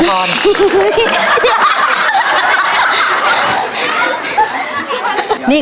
ไปเร็วหน้า